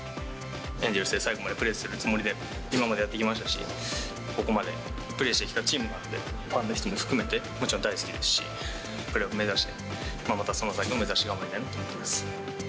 エンゼルスで最後までプレーするつもりで今までやってきましたし、ここまでプレーしてきたチームなので、ファンの人も含めてもちろん大好きですし、プレーオフ目指して、またその先目指して頑張りたいなと思ってます。